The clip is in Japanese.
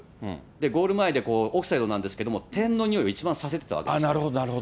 ゴール前でオフサイドなんですけど、点のにおい一番させてたわけなるほど。